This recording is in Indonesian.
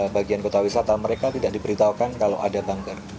bagian kota wisata mereka tidak diberitahukan kalau ada banker